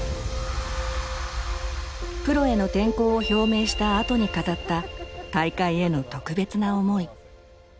プロへの転向を表明したあとに語った大会への特別な思い。